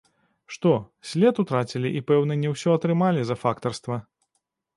Што, след утрацілі і пэўна не ўсё атрымалі за фактарства?